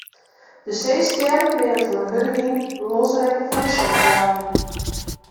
De seestjerren binne troch de hurde wyn losrekke fan de seeboaiem.